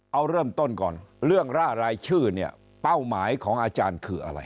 เอาเริ่มต้นก่อนเรื่องร่ารายชื่อเนี่ยเป้าหมายของอาจารย์คืออะไร